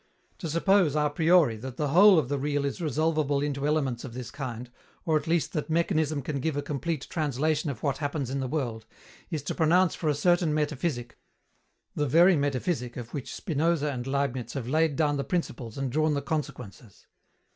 To suppose a priori that the whole of the real is resolvable into elements of this kind, or at least that mechanism can give a complete translation of what happens in the world, is to pronounce for a certain metaphysic the very metaphysic of which Spinoza and Leibniz have laid down the principles and drawn the consequences.